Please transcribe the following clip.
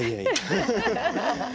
ハハハハ！